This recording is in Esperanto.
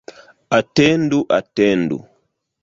Atendu, atendu!